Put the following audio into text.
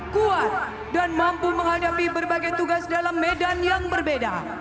kuat dan mampu menghadapi berbagai tugas dalam medan yang berbeda